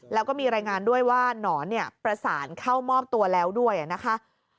แล้วก็มีรายงานด้วยว่าหนอนเนี่ยประสานเข้ามอบตัวแล้วด้วยนะคะ